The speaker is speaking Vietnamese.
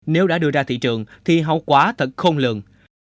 nếu đã đưa ra thị trường thì hậu quả thật khôn lường